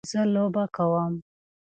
زه لوبه کوم.